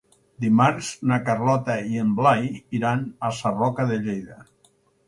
Dimarts na Carlota i en Blai iran a Sarroca de Lleida.